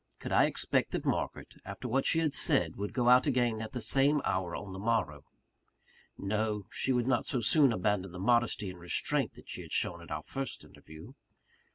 Could I expect that Margaret, after what she had said, would go out again at the same hour on the morrow? No: she would not so soon abandon the modesty and restraint that she had shown at our first interview.